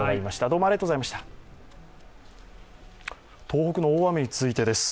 東北の大雨についてです。